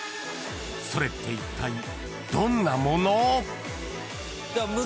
［それっていったいどんなもの？］